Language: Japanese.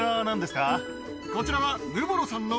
こちらは。